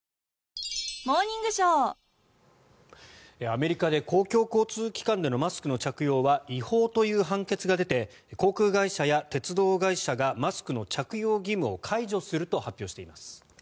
アメリカで公共交通機関でのマスクの着用は違法という判決が出て航空会社や鉄道会社がマスクの着用義務を解除すると発表しています。